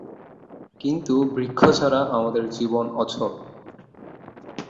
কিন্তু বৃক্ষ ছাড়া আমাদের জীবন অচল।